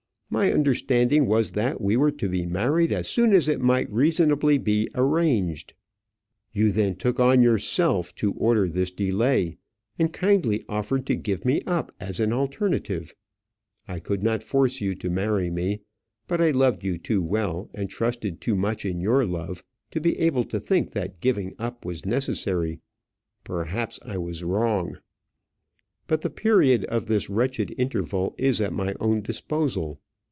My understanding was that we were to be married as soon as it might reasonably be arranged. You then took on yourself to order this delay, and kindly offered to give me up as an alternative. I could not force you to marry me; but I loved you too well, and trusted too much in your love to be able to think that that giving up was necessary. Perhaps I was wrong. But the period of this wretched interval is at my own disposal.